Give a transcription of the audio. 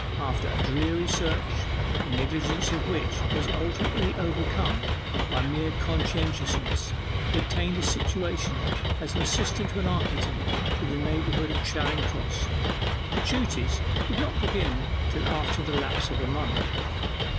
After a dreary search, the negligence of which was ultimately overcome by mere conscientiousness, he obtained a situation as assistant to an architect in the neighbourhood of Charing Cross: the duties would not begin till after the lapse of a month.